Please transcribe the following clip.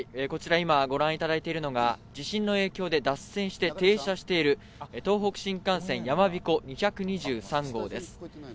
こちら今、ご覧いただいているのが地震の影響で脱線して停車している、東北新幹線やまびこ２２３号です。